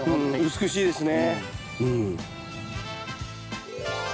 美しいですね。